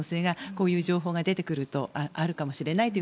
こういう情報が出てくるとあるかもしれないと